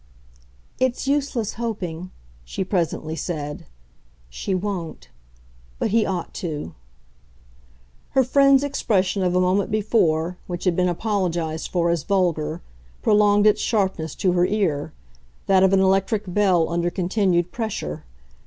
"It's useless hoping," she presently said. "She won't. But he ought to." Her friend's expression of a moment before, which had been apologised for as vulgar, prolonged its sharpness to her ear that of an electric bell under continued pressure.